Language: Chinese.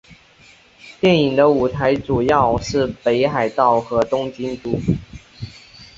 电影的舞台主要是北海道和东京都。